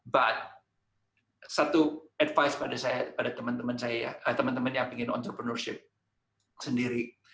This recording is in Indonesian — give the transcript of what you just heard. but satu advice pada teman teman yang ingin entrepreneurship sendiri